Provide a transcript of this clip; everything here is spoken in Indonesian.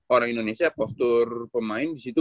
orang indonesia postur pemain disitu